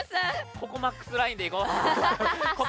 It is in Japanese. ここマックスラインでいこう。